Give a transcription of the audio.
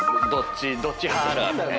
どっち派あるあるね。